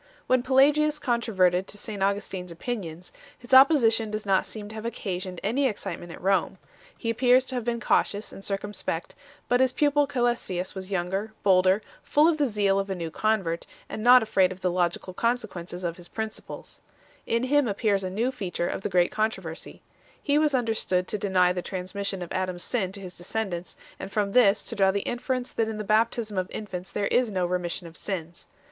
When Pelagius controverted St Augustin s opinions, his opposition does not seem to have occasioned any excite ment at Rome. He appears to have been cautious and circumspect ; but his pupil Cselestius was younger, bolder, 1 Epist. ad Demetriadem, c. 3. 3 De Dono Persev. 53. 2 Augustin, Confessiones, x. 29. Controversies on the Faith. 317 full of the zeal of a new convert, and not afraid of the logical consequences of his principles. In him appears a new feature of the great controversy. He was understood to deny the transmission of Adam s sin to his descendants, and from this to draw the inference that in the baptism of infants there is no remission of sins 1